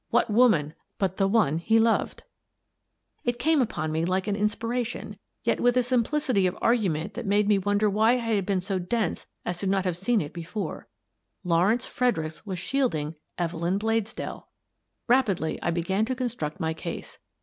What woman but the one he loved? The Woman in the Case 187 It came upon me like an inspiration, yet with a simplicity of argument that made me wonder why I had been so dense as not to have seen it before: Lawrence Fredericks was shielding Evelyn Bladesdell! Rapidly, I began to construct my case.